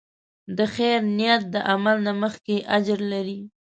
د خیر نیت د عمل نه مخکې اجر لري.